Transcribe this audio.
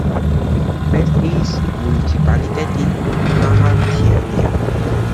მესტიის მუნიციპალიტეტი მაღალმთიანია.